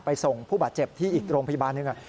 ส่งผู้บาดเจ็บที่อีกโรงพยาบาลหนึ่ง